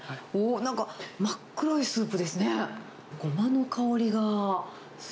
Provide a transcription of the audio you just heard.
なんか、真っ黒いスープですね。